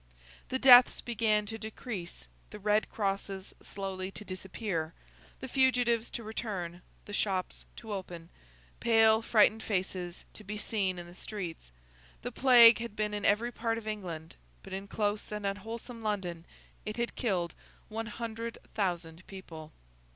The deaths began to decrease, the red crosses slowly to disappear, the fugitives to return, the shops to open, pale frightened faces to be seen in the streets. The Plague had been in every part of England, but in close and unwholesome London it had killed one hundred thousand people.